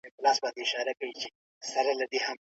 فردي ملکیت په سوسیالیزم کي ځای نه لري.